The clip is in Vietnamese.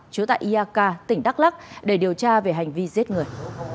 chứa tại iaka tỉnh đắk lắc để điều tra về hành vi giết người